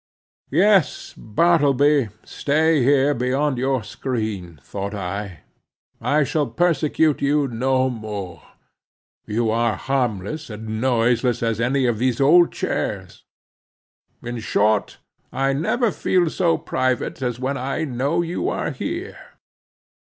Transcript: Yes, Bartleby, stay there behind your screen, thought I; I shall persecute you no more; you are harmless and noiseless as any of these old chairs; in short, I never feel so private as when I know you are here.